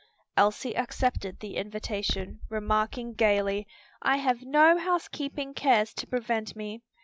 Elsie accepted the invitation, remarking gayly, "I have no housekeeping cares to prevent me.